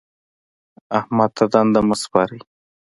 احمد ته دنده مه سپارئ.